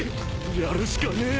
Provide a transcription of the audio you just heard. やるしかねえ。